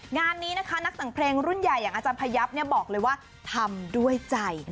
งานนี้นะคะนักแต่งเพลงรุ่นใหญ่อย่างอาจารย์พยับบอกเลยว่าทำด้วยใจ